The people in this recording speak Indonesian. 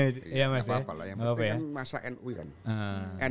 gak apa apa lah yang pentingnya masa nu kan